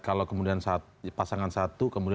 kalau pasangan satu